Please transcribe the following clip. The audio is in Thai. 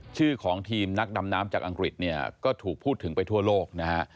ชื่อของทีมนักดำน้ำจากอังกฤษเนี่ยก็ถูกพูดถึงไปทั่วโลกนะฮะ